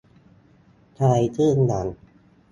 ทายชื่อหนัง